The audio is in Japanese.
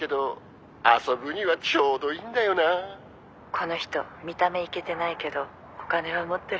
この人見た目イケてないけどお金は持ってるのよね。